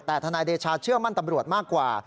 แต่ทนายเดชาเชื่อมั่นตำรวจมากกว่า